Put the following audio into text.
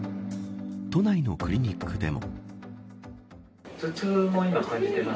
都内のクリニックでも。